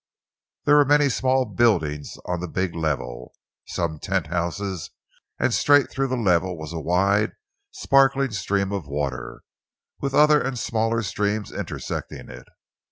There were many small buildings on the big level, some tenthouses, and straight through the level was a wide, sparkling stream of water, with other and smaller streams intersecting it.